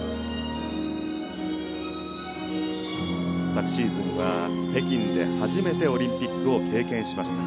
昨シーズンは北京で初めてオリンピックを経験しました。